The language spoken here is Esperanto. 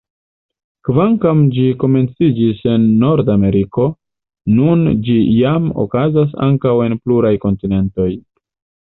Kvankam ĝi komenciĝis en Nord-Ameriko, nun ĝi jam okazas ankaŭ en pluraj kontinentoj.